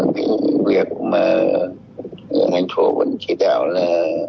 vì việc mà hành phố vẫn chỉ đào là